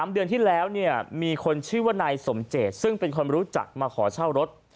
เดือนที่แล้วเนี่ยมีคนชื่อว่านายสมเจตซึ่งเป็นคนรู้จักมาขอเช่ารถ